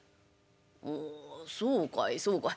「おおそうかいそうかい。